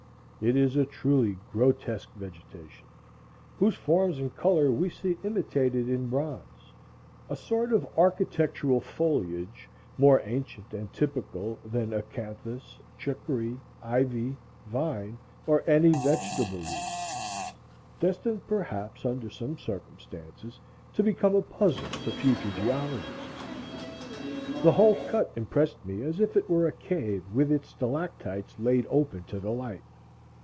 It is a truly grotesque vegetation, whose forms and color we see imitated in bronze, a sort of architectural foliage more ancient and typical than acanthus, chiccory, ivy, vine, or any vegetable leaves; destined perhaps, under some circumstances, to become a puzzle to future geologists. The whole cut impressed me as if it were a cave with its stalactites laid open to the light.